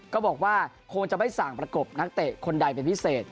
ก็บอกว่าคงจะไม่สั่งประกบนักเตะคนใดเป็นพิเศษ